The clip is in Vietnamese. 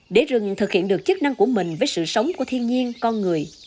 để rừng thực hiện được chức năng của mình với sự sống của thiên nhiên con người